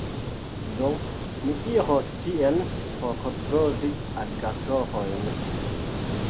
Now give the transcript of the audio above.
Do, mi iros tien por trovi aligatorojn